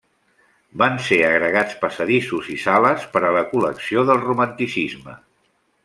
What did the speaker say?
Van ser agregats passadissos i sales per a la col·lecció del romanticisme.